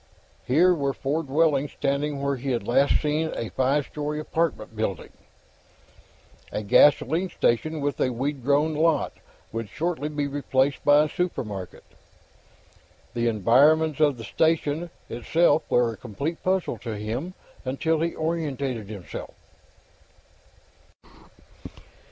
Here were four dwellings standing where he had last seen a five story apartment building. A gasoline station and a weed grown lot would shortly be replaced by a supermarket. The environs of the station itself were a complete puzzle to him, until he oriented himself.